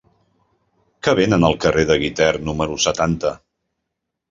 Què venen al carrer de Guitert número setanta?